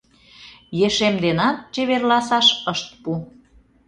Ешем денат чеверласаш ышт пу.